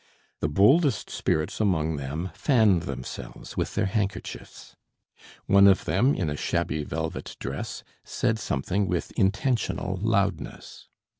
The boldest spirits among them fanned themselves with their handkerchiefs. One of them in a shabby velvet dress said something with intentional loudness.